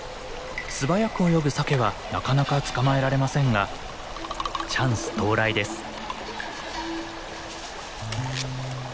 素早く泳ぐサケはなかなか捕まえられませんがチャンス到来です。